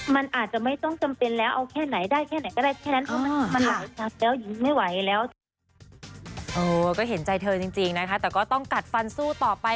มันอาจจะไม่ต้องจำเป็นแล้วเอาแค่ไหนได้แค่ไหนก็ได้